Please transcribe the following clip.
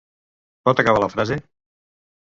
Pot acabar la frase?